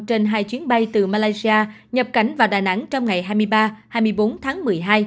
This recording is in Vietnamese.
trên hai chuyến bay từ malaysia nhập cảnh vào đà nẵng trong ngày hai mươi ba hai mươi bốn tháng một mươi hai